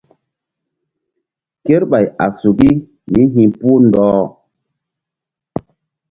Kerɓay a suki mí hi̧puh ɗɔh.